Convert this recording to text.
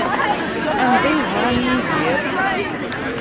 Anda ay ẓran Yidir?